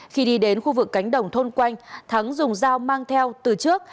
khi đi đến khu vực cánh đồng thôn quanh thắng dùng dao mang theo từ trước